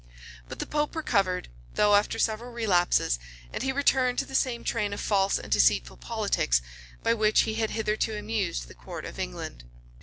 But the pope recovered, though after several relapses; and he returned to the same train of false and deceitful politics, by which he had hitherto amused the court of England.